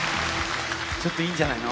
ちょっといいんじゃないの？